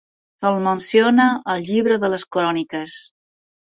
Se'l menciona al Llibre de les Cròniques.